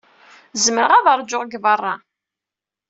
Zemreɣ ad ṛjuɣ deg beṛṛa-a.